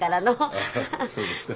あっそうですか。